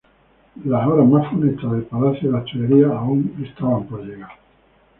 Los horas más funestas del Palacio de las Tullerías aún estaban por llegar.